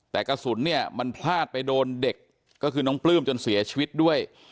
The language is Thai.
แต่กระสุนเนี่ยมันพลาดไปโดนเด็กก็คือน้องปลื้มจนเสียชีวิตด้วย